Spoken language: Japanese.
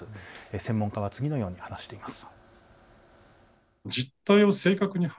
専門家は次のように話しています。